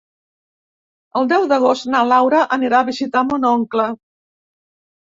El deu d'agost na Laura anirà a visitar mon oncle.